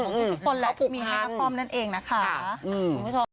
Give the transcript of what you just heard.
มันคือทุกคนแหละมีให้น้าคอมนั่นเองนะคะอืม